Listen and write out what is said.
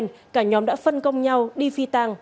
nguyễn hoàng tôn đã tấn công các nạn nhân